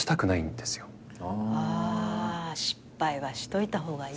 あ失敗はしといた方がいいって。